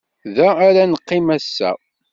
Da ara neqqim ass-a.